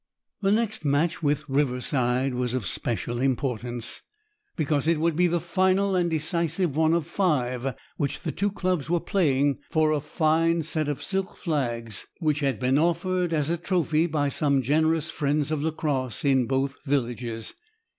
The next match with Riverside was of special importance, because it would be the final and decisive one of five which the two clubs were playing for a fine set of silk flags, which had been offered as a trophy by some generous friends of lacrosse in both villages.